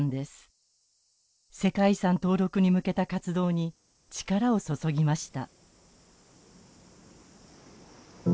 世界遺産登録に向けた活動に力を注ぎました。